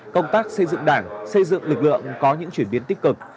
công tác xây dựng đảng xây dựng lực lượng có những chuyển biến tích cực